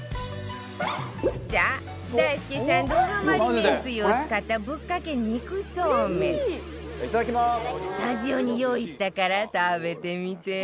さあ大輔さんどハマりめんつゆを使ったぶっかけ肉そうめんスタジオに用意したから食べてみて